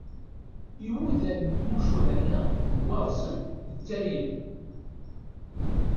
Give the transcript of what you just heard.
Iwudam n tmucuha-nneɣ d waɣzen d tteryel.